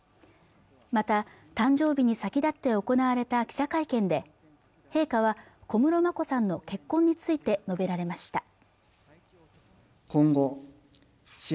また誕生日に先立って行われた記者会見で陛下は小室眞子さんの結婚について述べられました